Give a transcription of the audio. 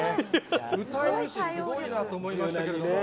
歌えるしすごいなと思いましたけれども。